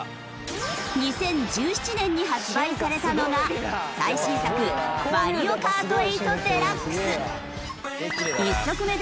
２０１７年に発売されたのが最新作『マリオカート８ＤＥＬＵＸＥ』。